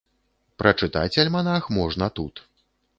Прачытаць альманах можна тут.